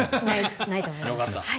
ないと思います。